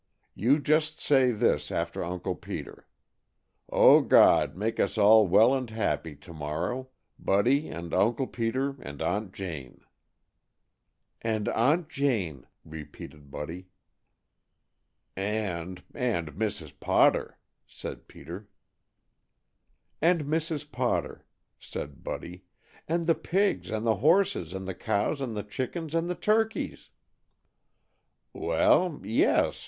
You just say this after Uncle Peter 'O God, make us all well and happy to morrow: Buddy and Uncle Peter, and Aunt Jane,'" "And Aunt Jane," repeated Buddy. "And and Mrs. Potter," said Peter. "And Mrs. Potter," said Buddy, "and the pigs, and the horses, and the cows, and the chickens, and the turkeys." "Well yes!"